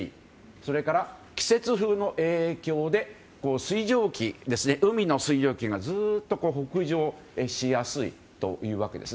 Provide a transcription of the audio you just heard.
それから、季節風の影響で海の水蒸気が、ずっと北上しやすいというわけです。